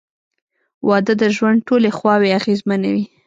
• واده د ژوند ټولې خواوې اغېزمنوي.